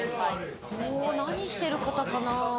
何してる方かな？